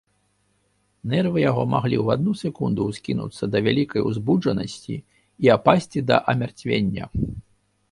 Нервы яго маглі ў адну секунду ўскінуцца да вялікай узбуджанасці і апасці да амярцвення.